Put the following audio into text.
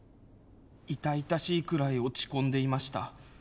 痛々しいくらい落ち込んでいました。